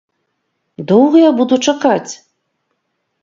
Доўга я буду чакаць?